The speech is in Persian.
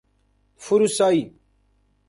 فروسایی